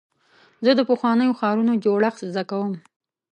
زه د پخوانیو ښارونو جوړښت زده کوم.